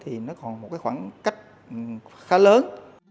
thì nó còn một khoảng cách khá lớn